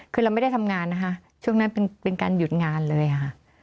คือเราไม่ได้ทำงานนะคะช่วงนั้นเป็นการหยุดงานเลยค่ะ